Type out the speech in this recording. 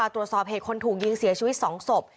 หลังตรวจจะตรวจสอบให้ค้นถูกยิงเสียชีวิต๒ศพ